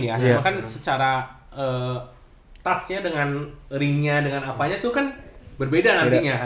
namanya kan secara touchnya dengan ringnya dengan apanya tuh kan berbeda nantinya